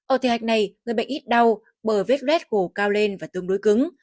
ở thể hạch này người bệnh ít đau bờ vết luet gồ cao lên và tương đối cứng